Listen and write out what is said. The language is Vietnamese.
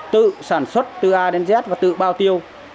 tự sản xuất từ a đến z và tự bao tiêu